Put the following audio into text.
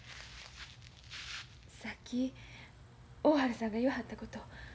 さっき大原さんが言わはったこと